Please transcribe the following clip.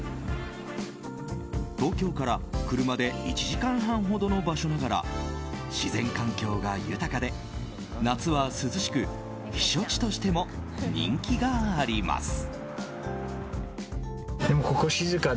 東京から車で１時間半ほどの場所ながら自然環境が豊かで、夏は涼しく避暑地としても人気があります。